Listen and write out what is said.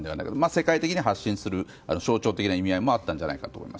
世界的に発信する象徴的な意味合いもあったんじゃないかと。